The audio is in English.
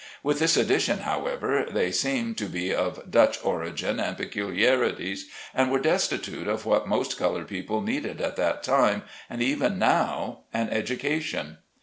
With this addition, however, they seem to be of Dutch origin and peculiarities, and were destitute of what most colored people needed at that time, and even now, an education.